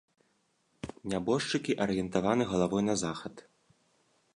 Нябожчыкі арыентаваны галавой на захад.